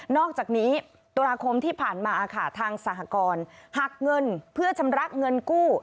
อกจากนี้ตุลาคมที่ผ่านมาค่ะทางสหกรหักเงินเพื่อชำระเงินกู้